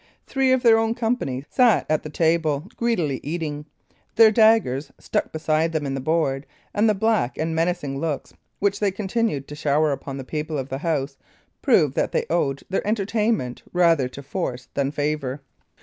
Three of their own company sat at the table, greedily eating. Their daggers, stuck beside them in the board, and the black and menacing looks which they continued to shower upon the people of the house, proved that they owed their entertainment rather to force than favour.